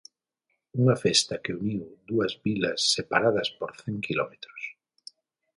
Unha festa que uniu dúas vilas separadas por cen quilómetros.